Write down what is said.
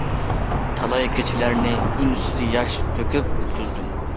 تالاي كېچىلەرنى ئۈنسىز ياش تۆكۈپ ئۆتكۈزدۈم.